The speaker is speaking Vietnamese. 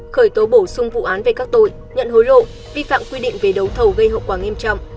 khởi tố bổ sung vụ án về các tội nhận hối lộ vi phạm quy định về đấu thầu gây hậu quả nghiêm trọng